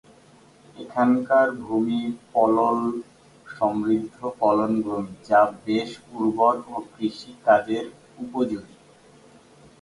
এখানকার ভূমি পলল সমৃদ্ধ প্লাবনভূমি, যা বেশ উর্বর ও কৃষি কাজের উপযোগী।